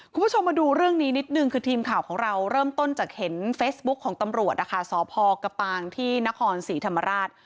คุณผู้ชมมาดูเรื่องนี้นิดนึงคือทีมข่าวของเราเริ่มต้นจากเห็นเฟซบุ๊คของตำรวจนะคะสพกระปางที่นครศรีธรรมราช